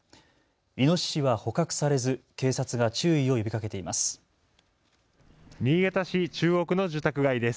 イノシシは捕獲されず警察が注意を呼びかけています。